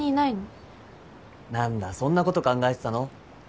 何だそんなこと考えてたの？